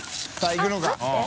いくのか？